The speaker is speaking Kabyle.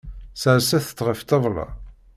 Serset-tt ɣef ṭṭabla.